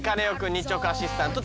日直アシスタント